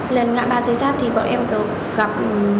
lên ngã ba xe sát thì bọn em gặp